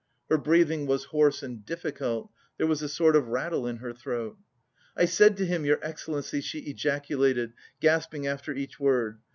Her breathing was hoarse and difficult, there was a sort of rattle in her throat. "I said to him, your excellency," she ejaculated, gasping after each word.